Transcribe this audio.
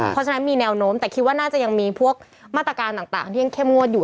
เพราะฉะนั้นมีแนวโน้มแต่คิดว่าน่าจะยังมีพวกมาตรการต่างที่ยังเข้มงวดอยู่